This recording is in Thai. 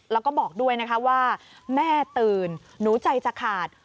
แล้วก็บอกด้วยนะคะว่าแม่ตื่นหนูใจจะขาด